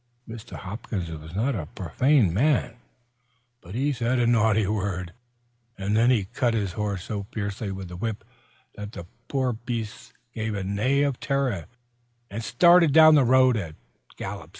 Mr. Hopkins was not a profane man, but he said a naughty word. And then he cut his horse so fiercely with the whip that the poor beast gave a neigh of terror, and started down the road at a gallop.